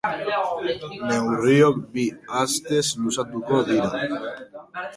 Neurriok bi astez luzatuko dira.